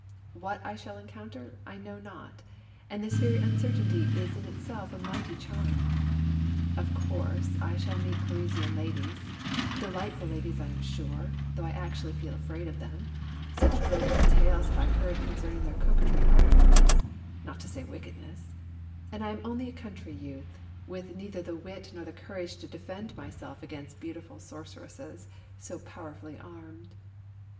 What I shall encounter I know not, and this very uncer tainty is in itself a mighty charm I Of course, I shall meet Parisian ladies — delightful ladies I am sure, though I actually feel afraid of them, such dreadful tales have I heard concerning their coquetry and artfulness, not to say wickedness, and I am only a country youth, with neither the wit nor the ( 21 ) 22 TWO CHARMERS. courage to defend myself against beautiful sorceresses so powerfully armed!